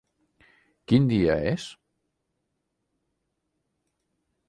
Quin dia és?